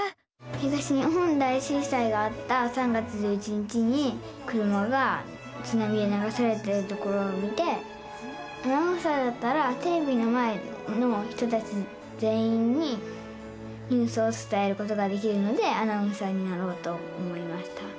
東日本大震災があった３月１１日に車がつなみでながされてるところを見てアナウンサーだったらテレビの前の人たち全員にニュースをつたえることができるのでアナウンサーになろうと思いました。